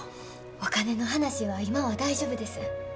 お金の話は今は大丈夫です。